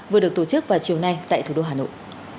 vừa được tổ chức vào chiều nay tại thủ đô hà nội